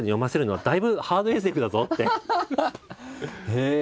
へえ！